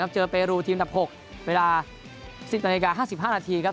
เจอเปรูทีมดับ๖เวลา๑๐นาที๕๕นาทีครับ